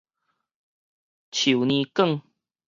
樹乳管